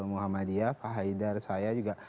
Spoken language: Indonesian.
muhammadiyah pak haidar saya juga